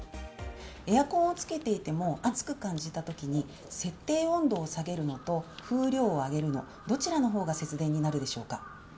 エアコンをつけていても、暑く感じたときに、設定温度を下げるのと、風量を上げるの、どちらのほうが節電になるでしょうか。